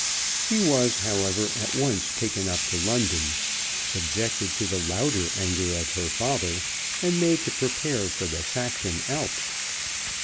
She was, however, at once taken up to London, subjected to the louder anger of her father, and made to prepare for the Saxon Alps.